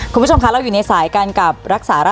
คุณผู้ชมคะเราอยู่ในสายกันกับรักษารัฐ